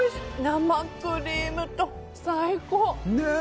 生クリームと、最高。